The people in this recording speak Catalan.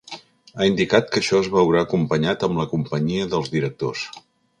Ha indicat que això es veurà acompanyat amb la companyia dels directors.